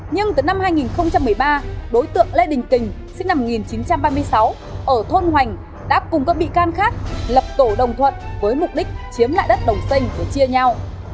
nhưng từ năm hai nghìn một mươi ba đối tượng lê đình kình sinh năm một nghìn chín trăm ba mươi sáu ở thôn hoành đã cùng các bị can khác lập tổ đồng thuận với mục đích chiếm lại đất đồng sinh rồi chia nhau